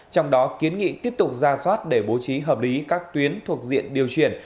trong đó kiến nghị tiếp tục ra soát để bố trí hợp lý các tuyến thuộc diện điều chuyển